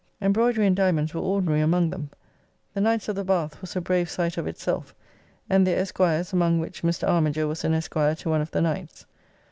Embroidery and diamonds were ordinary among them. The Knights of the Bath was a brave sight of itself; and their Esquires, among which Mr. Armiger was an Esquire to one of the Knights.